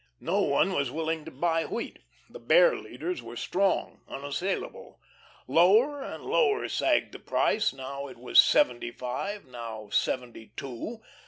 No one was willing to buy wheat. The Bear leaders were strong, unassailable. Lower and lower sagged the price; now it was seventy five, now seventy two.